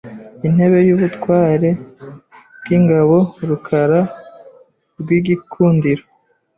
Intebe y’ubutware bw’ ingabo Rukara rw’igikundiro,